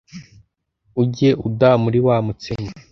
ujye udaha muri wa mutsima